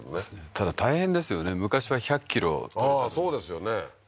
ただ大変ですよね昔は１００ｋｇ獲れたのにそうですよね